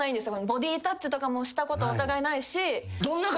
ボディータッチとかもしたことお互いないし。